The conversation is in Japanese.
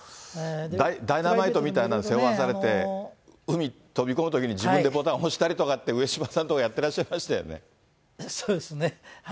ダイナマイトみたいの背負わされて、海飛び込むときに、自分でボタン押したりとかって、上島さんとかやってらっしゃいましたそうですね。